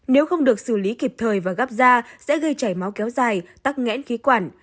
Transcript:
nếu không được xử lý kịp thời và gấp da sẽ gây chảy máu kéo dài tắc nghẽn khí quản